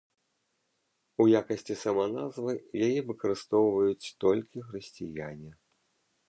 У якасці саманазвы яе выкарыстоўваюць толькі хрысціяне.